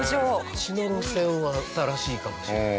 こっちの路線は新しいかもしれない。